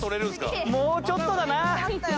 もうちょっとだな。